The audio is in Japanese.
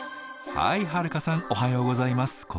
はい遥さんおはようございます。